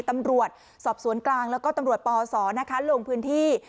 ตำรวจสอบสวนกลางแล้วก็ตำรวจปศลงพื้นที่